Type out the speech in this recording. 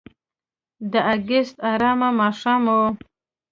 د اګست آرامه ماښام و.